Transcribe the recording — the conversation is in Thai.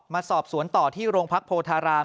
มาสอบสวนต่อที่โรงพักโพธาราม